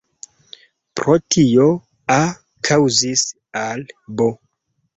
Pro tio, "A" kaŭzis al "B.